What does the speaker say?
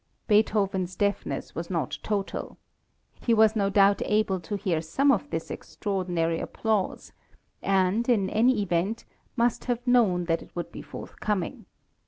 Beethoven's deafness was not total. He was no doubt able to hear some of this extraordinary applause, and, in any event, must have known that it would be forthcoming.